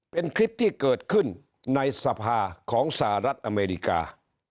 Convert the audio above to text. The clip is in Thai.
เป็นคลิปที่เกิดขึ้นในสภาของสหรัฐอเมริกา